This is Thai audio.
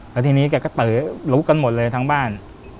แล้วทีนี้แกก็ตือลุกกันหมดเลยทั้งบ้าน